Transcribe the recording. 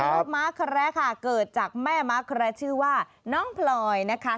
ลูกม้าแคระค่ะเกิดจากแม่ม้าแคระชื่อว่าน้องพลอยนะคะ